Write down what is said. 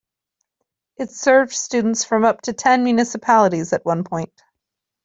It served students from up to ten municipalities at one point.